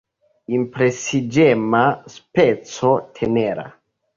Impresiĝema, speco, tenera.